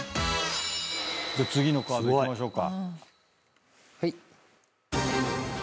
次のカードいきましょうか。